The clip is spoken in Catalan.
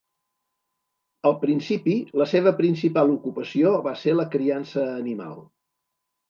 Al principi, la seva principal ocupació va ser la criança animal.